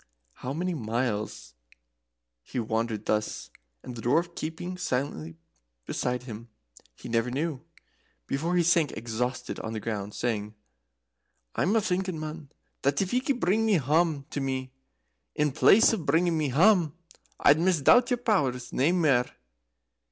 How many miles he wandered thus, the Dwarf keeping silently beside him, he never knew, before he sank exhausted on the ground, saying: "I'm thinking, man, that if ye could bring hame to me, in place of bringing me hame, I'd misdoubt your powers nae mair.